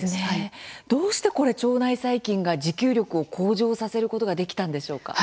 どうしてこれ腸内細菌が持久力を向上させることができたんでしょうか？